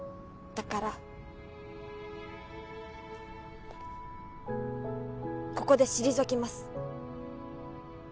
だからここで退きます